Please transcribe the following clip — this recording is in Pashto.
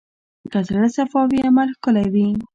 که زړه صفا وي، عمل ښکلی وي.